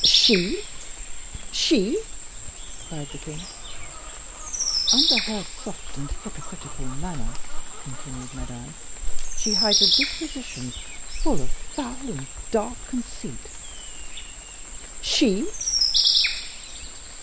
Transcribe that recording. "She! she!" cried the king. "Under her soft and hypocritical manner," continued Madame, "she hides a disposition full of foul and dark conceit." "She!"